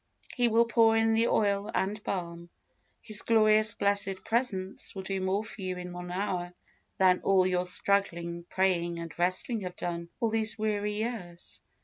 He will pour in the oil and balm. His glorious, blessed presence will do more for you in one hour, than all your struggling, praying, and wrestling have done all these weary years.